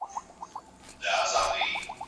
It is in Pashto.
اوږې یې پورته واچولې او په خپله لاره روان شو.